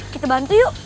kita bantu yuk